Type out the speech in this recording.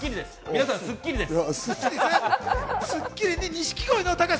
皆さん『スッキリ』です。